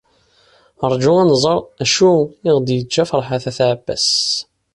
Rju ad nẓer acu i ɣ-d-yeǧǧa Ferḥat n At Ɛebbas.